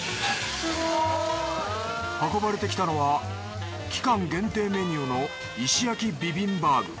運ばれてきたのは期間限定メニューの石焼ビビンバーグ。